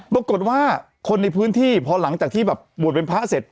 ปรากฏว่าคนในพื้นที่พอหลังจากที่แบบบวชเป็นพระเสร็จ